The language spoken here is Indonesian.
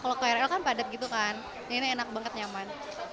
kalau krl kan padat gitu kan ini enak banget nyaman